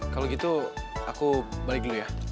kalau gitu aku balik dulu ya